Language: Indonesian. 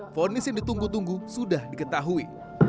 vonis yang ditunggu tunggu sudah diketahui